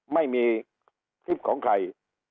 ไม่มีคลิปของใคร